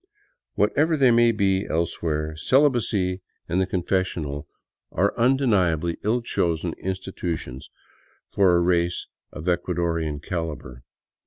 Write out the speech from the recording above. Whatever they may be elsewhere, celibacy and the 142 THE CITY OF THE EQUATOR confessional are undeniably ill chosen institutions for a race of Ecua dorian caliber.